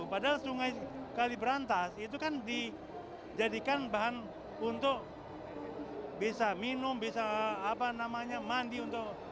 padahal sungai kali berantas itu kan di jadikan bahan untuk bisa minum bisa apa namanya mandi untuk